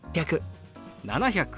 「７００」。